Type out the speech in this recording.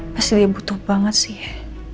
pasti dia butuh banget sih